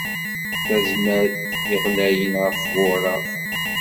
Tazmert i yeɣlayen ɣef wuṛeɣ.